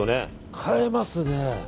買えますね。